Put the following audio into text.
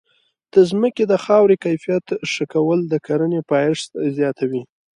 د ځمکې د خاورې کیفیت ښه کول د کرنې پایښت زیاتوي.